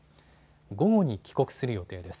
午後に帰国する予定です。